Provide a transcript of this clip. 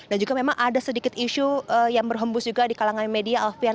dan juga memang ada sedikit isu yang berhembus juga di kalangan media alvian